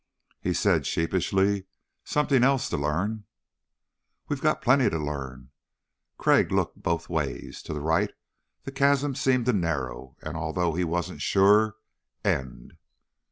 He said sheepishly, "Something else to learn." "We've plenty to learn." Crag looked both ways. To the right the chasm seemed to narrow and, although he wasn't sure, end.